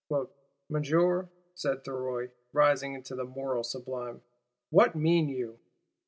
'Monsieur,' said Thuriot, rising into the moral sublime, 'What mean _you?